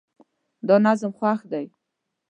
دا نظم خوښ دی